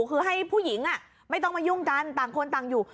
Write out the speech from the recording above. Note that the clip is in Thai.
คือให้ผู้หญิงไม่ต้องมายุ่งกันต่างคนต่างอยู่